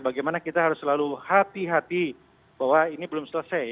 bagaimana kita harus selalu hati hati bahwa ini belum selesai